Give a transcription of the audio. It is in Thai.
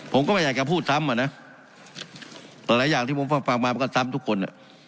ผมก็ไม่อยากจะพูดซ้ำอ่ะนะแต่หลายอย่างที่ผมฟังมามันก็ซ้ำทุกคน